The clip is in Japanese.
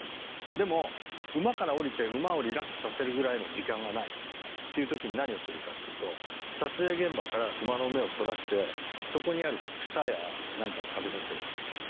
でも馬から下りて馬をリラックスさせるぐらいの時間がないっていう時に何をするかっていうと撮影現場から馬の目をそらしてそこにある草やなんかを食べさせるわけ。